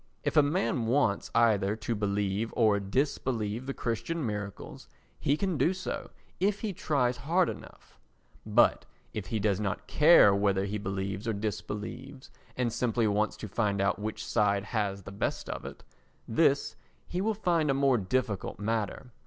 If a man wants either to believe or disbelieve the Christian miracles he can do so if he tries hard enough; but if he does not care whether he believes or disbelieves and simply wants to find out which side has the best of it, this he will find a more difficult matter.